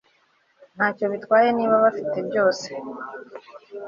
ntacyo bitwaye niba bafite byose